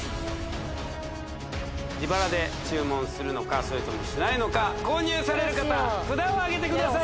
自腹で注文するのかそれともしないのか購入される方札をあげてください